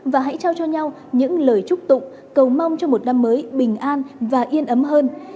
và hãy trao cho nhau những lời chúc tụng cầu mong cho một năm mới bình an và yên ấm hơn